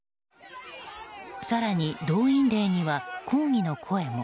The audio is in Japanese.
更に動員令には抗議の声も。